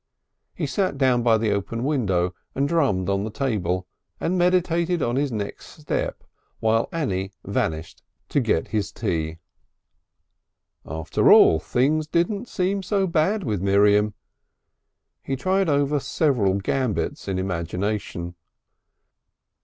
He sat down by the open window and drummed on the table and meditated on his next step while Annie vanished to get his tea. After all, things didn't seem so bad with Miriam. He tried over several gambits in imagination.